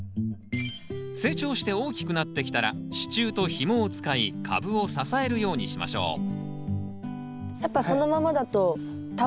成長して大きくなってきたら支柱とヒモを使い株を支えるようにしましょうやっぱそのままだと倒れちゃいますかね？